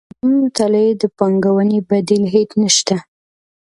د علمي مطالعې د پانګوونې بدیل هیڅ نشته.